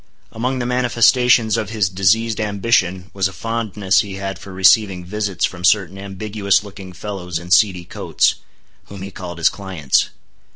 Among the manifestations of his diseased ambition was a fondness he had for receiving visits from certain ambiguous looking fellows in seedy coats, whom he called his clients.